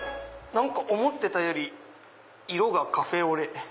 思ってたより色がカフェオレ。